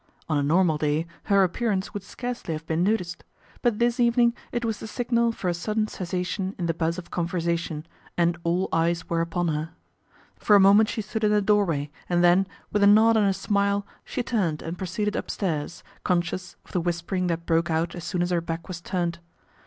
On a normal day her appearance would scarcely have been noticed ; but this evening it was the signal for a sudden cessation in the buzz of conversation, and all eyes were upon her. For a moment she stood in the doorway and then, with a nod and a smile, she turned and proceeded up stairs, conscious of the whispering that broke out as soon as her back was turned.